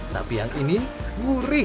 tapi yang ini gurih